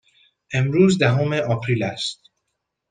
امروز دهم آپریل است.